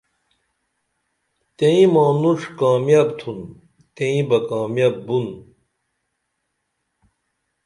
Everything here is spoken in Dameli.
تئیں مانُݜ کامِیب تُھن تئیں بہ کامِیب بُن